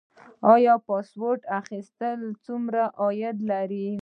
آیا پاسپورت اخیستل څومره عاید لري؟